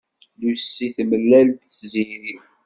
Lucy temlal-d Tiziri.